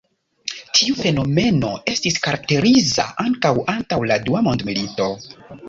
Tiu fenomeno estis karakteriza ankaŭ antaŭ la dua mondmilito.